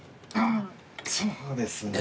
あぁそうですね。